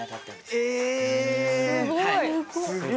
すごい！